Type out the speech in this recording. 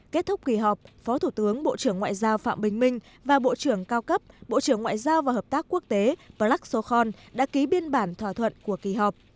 kết thúc kỳ họp phó thủ tướng bộ trưởng ngoại giao phạm bình minh và bộ trưởng cao cấp bộ trưởng ngoại giao và hợp tác quốc tế plakshokhan đã ký biên bản thỏa thuận của kỳ họp